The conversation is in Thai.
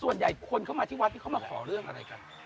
ส่วนใหญ่คนเข้ามาที่วัดนี้เขามาขอเรื่องอะไรกัน